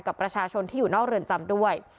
กับประชาชนที่อยู่นอกเรือนจำด้วย